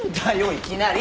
いきなり！